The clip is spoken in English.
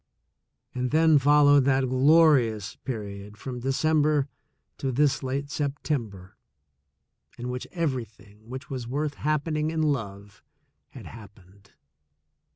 And then followed that glorious period from De cember to this late September, in which everything which was worth happening in love had happened.